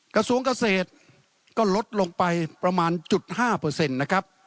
กระทรวงเกษตรก็ลดลงไปประมาณ๐๕เปอร์เซ็นต์นะครับ